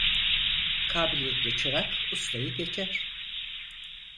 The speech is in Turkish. Kabiliyetli çırak ustayı geçer.